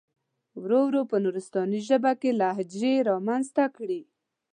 ورو ورو په نورستاني ژبه کې لهجې را منځته کړي.